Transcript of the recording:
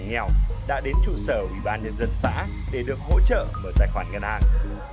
hộ nghèo đã đến trụ sở ủy ban nhân dân xã để được hỗ trợ mở tài khoản ngân hàng